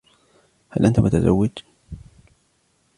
هل انت متزوج؟